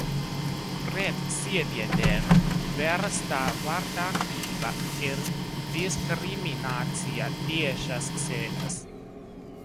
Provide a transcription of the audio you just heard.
Pret sievietēm vērsta vardarbība ir diskriminācijas tiešas sekas.